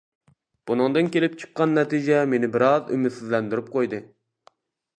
بۇنىڭدىن كېلىپ چىققان نەتىجە مېنى بىر ئاز ئۈمىدسىزلەندۈرۈپ قويدى.